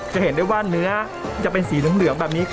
จะเห็นได้ว่าเนื้อจะเป็นสีเหลืองแบบนี้